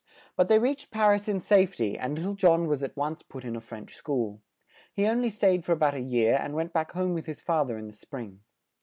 But they reached Par is in safe ty, and lit tle John was at once put in a French school. He on ly stayed for a bout a year and went back home with his fa ther in the spring.